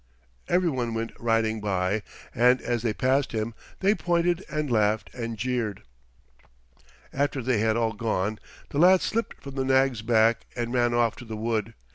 Every one went riding by, and as they passed him they pointed and laughed and jeered. After they had all gone the lad slipped from the nag's back and ran off to the wood.